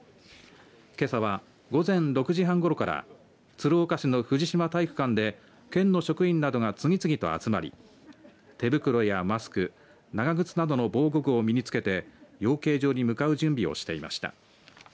けさは午前６時半ごろから鶴岡市の藤島体育館で県の職員などが次々と集まり、手袋やマスク、長靴などの防護具を身につけて養鶏場に向かう準備をしていました。